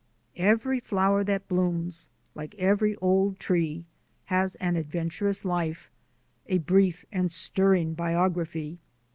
Every flower that blooms, like every old tree, has an adventurous life, a brief and stirring biog raphy.